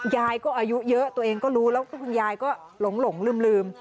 ยายก็อายุเยอะตัวเองก็รู้แล้วคุณยายก็หลงลืม